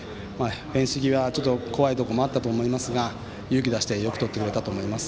フェンス際、怖いところもあったと思いますが勇気を出してよくとってくれたと思います。